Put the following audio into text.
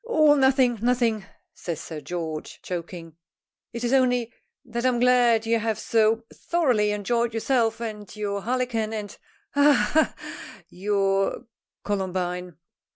"Oh, nothing, nothing," says Sir George, choking; "it is only that I'm glad you have so thoroughly enjoyed yourself and your harlequin, and ha, ha, ha, your Columbine.